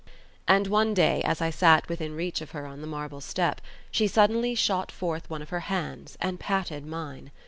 And one day, as I set within reach of her on the marble step, she suddenly shot forth one of her hands and patted mine.